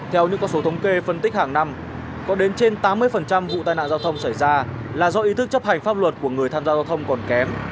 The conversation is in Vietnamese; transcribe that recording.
theo những con số thống kê phân tích hàng năm có đến trên tám mươi vụ tai nạn giao thông xảy ra là do ý thức chấp hành pháp luật của người tham gia giao thông còn kém